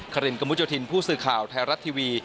ครินกระมุดโยธินผู้สื่อข่าวไทยรัฐทีวี